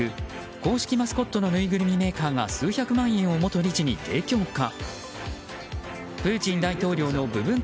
公式マスコットのぬいぐるみメーカー数百万円を元理事に提供か。